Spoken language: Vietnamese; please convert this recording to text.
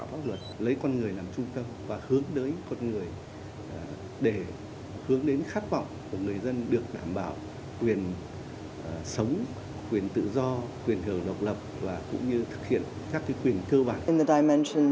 và cũng như thực hiện các quyền thơ bản